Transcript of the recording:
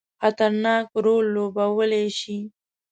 خطرناک رول لوبولای شي.